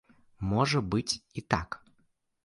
Можа быць і так.